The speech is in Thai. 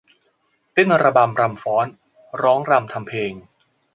เต้นระบำรำฟ้อน ร้องรำทำเพลง